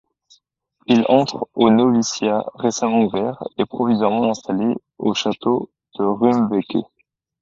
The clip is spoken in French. Il entre au noviciat récemment ouvert, et provisoirement installé, au château de Rumbeke.